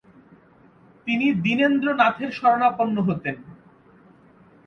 তিনি দিনেন্দ্রনাথের স্মরণাপন্ন হতেন।